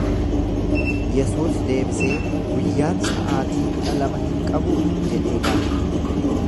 Yesuus deebisee, Guyyaan sa'aatii kudha lama hin qabuu? jedhee gaafate.